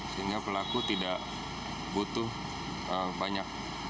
sehingga pelaku tidak butuh banyak